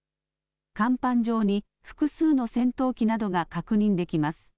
甲板上に複数の戦闘機などが確認できます。